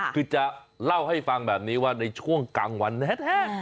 คือจะเล่าให้ฟังแบบนี้ว่าในช่วงกลางวันแท้